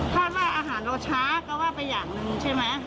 ถ้าว่าอาหารเราช้าก็ว่าเป็นอย่างหนึ่งใช่ไหมอาหารก็แค่